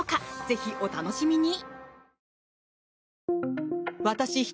ぜひお楽しみに！